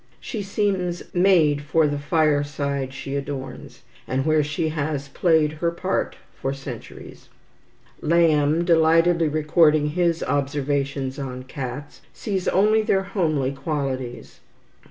She seems made for the fireside she adorns, and where she has played her part for centuries. Lamb, delightedly recording his "observations on cats," sees only their homely qualities.